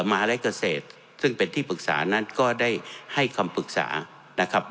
มาลัยเกษตรซึ่งเป็นที่ปรึกษานั้นก็ได้ให้คำปรึกษานะครับ